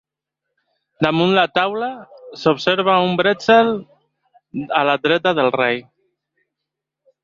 Damunt la taula, s'observa un brètzel a la dreta del rei.